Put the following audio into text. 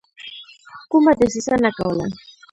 کومه دسیسه نه کوله.